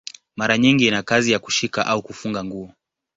Mara nyingi ina kazi ya kushika au kufunga nguo.